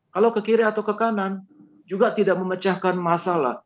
kalau ke kiri atau ke kanan juga tidak memecahkan masalah